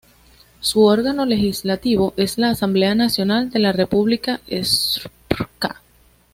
Su órgano legislativo es la Asamblea Nacional de la República Srpska.